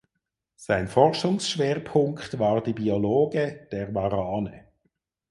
Sein Forschungsschwerpunkt war die Biologe der Warane.